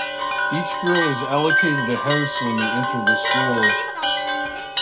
Each girl is allocated a house when they enter the school.